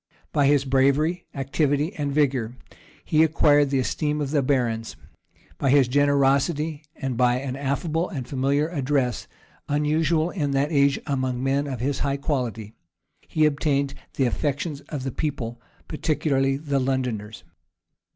By his bravery, activity, and vigor, he acquired the esteem of the barons; by his generosity, and by an affable and familiar address, unusual in that age among men of his high quality, he obtained the affections of the people, particularly of the Londoners.